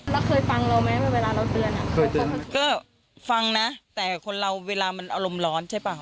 แล้วเคยฟังเราไหมเวลาเราเตือนอ่ะเคยเตือนก็ฟังนะแต่คนเราเวลามันอารมณ์ร้อนใช่ป่ะ